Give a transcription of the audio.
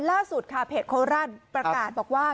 ล่าสุดค่ะเพจโคราชประกาศบอกว่า